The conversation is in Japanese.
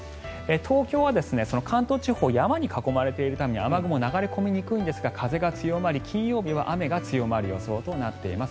東京は関東地方山に囲まれているために雨雲がかかりにくいんですが風が強まり、金曜日は雨が強まる予想となっています。